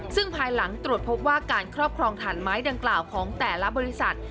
ซึ่งภายหลังตรวจพบว่าการครอบครองฐานไม้ดังกล่าวของแต่ละบริษัท